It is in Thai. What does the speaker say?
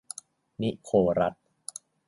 นิโคลัส